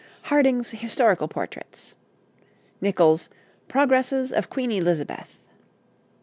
Harding's 'Historical Portraits.' Nichols's 'Progresses of Queen Elizabeth.'